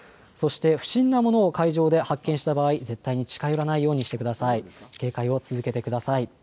そして不審なものを海上で発見した場合、絶対に近寄らないようにしてください。